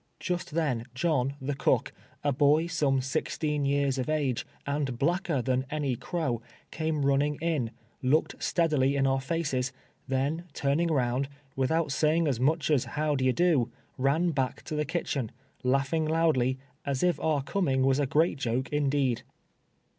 Just then John, the cook, a boy some sixteen years of ago, and bhicker than any crow, came run ning in, looked steadily in our faces, then turning round, without saying as much as "how d'ye do," ran back to the kitchen, laughing loudly, as if our coming was a great Joke indeed.